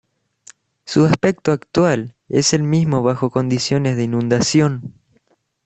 Su aspecto actual es el mismo bajo condiciones de inundación.